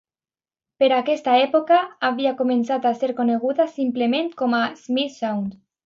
Per aquesta època havia començat a ser coneguda simplement com a "Smith Sound".